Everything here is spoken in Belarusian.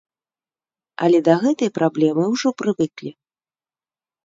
Але да гэтай праблемы ўжо прывыклі.